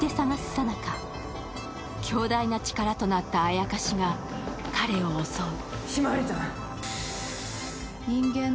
さなか強大な力となったアヤカシが彼を襲う。